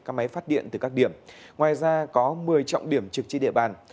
các máy phát điện từ các điểm ngoài ra có một mươi trọng điểm trực trên địa bàn